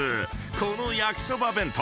このやきそば弁当